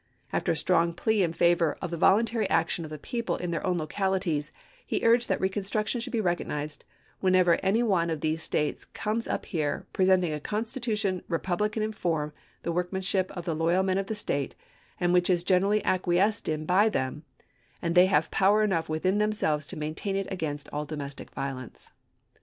After a strong plea in favor of the voluntary action of the people in their own localities, he urged that re construction should be recognized " whenever any one of these States comes up here, presenting a constitution republican in form, the workmanship of the loyal men of the State, and which is gen erally acquiesced in by them, and they have power enough within themselves to maintain it against all domestic violence."